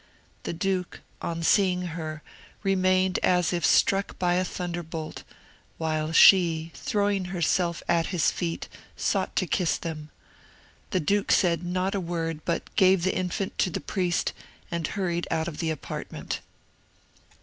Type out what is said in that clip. The duke, on seeing her, remained as if struck by a thunderbolt, while she, throwing herself at his feet, sought to kiss them. The duke said not a word, but gave the infant to the priest, and hurried out of the apartment.